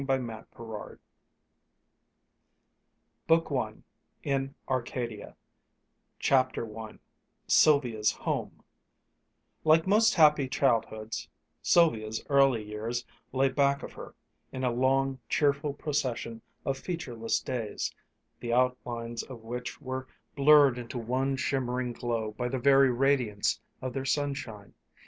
THE BENT TWIG BOOK I IN ARCADIA CHAPTER I SYLVIA'S HOME Like most happy childhoods, Sylvia's early years lay back of her in a long, cheerful procession of featureless days, the outlines of which were blurred into one shimmering glow by the very radiance of their sunshine.